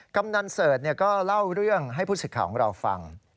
กำนันเสิร์ชก็เล่าเรื่องให้ผู้สิทธิ์ของเราฟัง